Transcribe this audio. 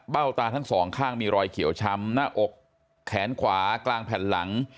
ตาทั้งสองข้างมีรอยเขียวช้ำหน้าอกแขนขวากลางแผ่นหลัง